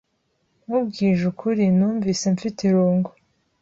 Nkubwije ukuri, numvise mfite irungu.